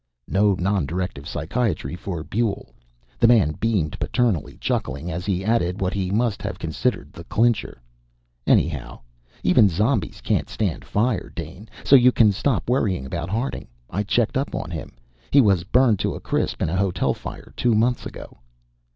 No non directive psychiatry for Buehl. The man beamed paternally, chuckling as he added what he must have considered the clincher. "Anyhow, even zombies can't stand fire, Dane, so you can stop worrying about Harding. I checked up on him. He was burned to a crisp in a hotel fire two months ago."